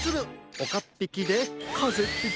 おかっぴきでかぜっぴき！